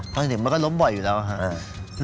พอเห็นมันก็ล้มบ่อยอยู่แล้วครับ